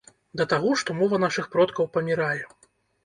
Да таго, што мова нашых продкаў памірае!